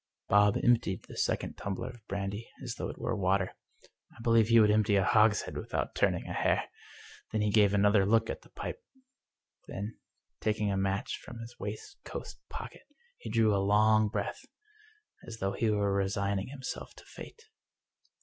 " Bob emptied the second tumbler of brandy as though it were water. I believe he would empty a hogshead without turning a hair! Then he gave another look at the pipe. Then, taking a match from his waistcoat pocket, he drew a long breath, as though he were resigning himself to fate.